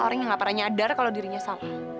orang yang gak pernah nyadar kalau dirinya sama